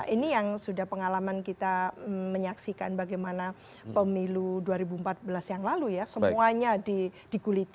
ini yang sudah pengalaman kita menyaksikan bagaimana pemilu dua ribu empat belas yang lalu ya semuanya dikuliti